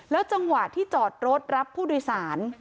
จังหวะที่จอดรถรับผู้โดยสาร